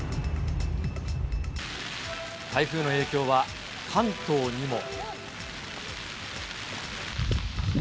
台風の影響は関東にも。